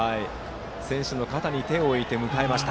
選手の肩に手を置いて迎えました。